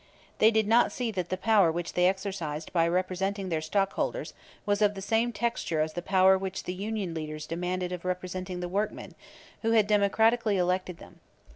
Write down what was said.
They did not see that the power which they exercised by representing their stockholders was of the same texture as the power which the union leaders demanded of representing the workmen, who had democratically elected them.